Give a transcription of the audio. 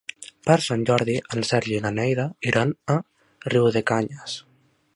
Per Sant Jordi en Sergi i na Neida iran a Riudecanyes.